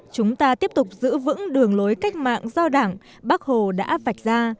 chúng ta tiếp tục giữ vững đường lối cách mạng do đảng bác hồ đã vạch ra